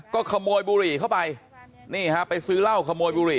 ก็ขโมยบุหรี่เข้าไปนี่ฮะไปซื้อเหล้าขโมยบุหรี